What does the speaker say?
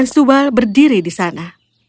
dan sebal berdiri di sana